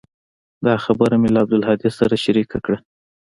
دا خبره مې له عبدالهادي سره شريکه کړه.